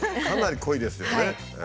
かなり濃いですよね。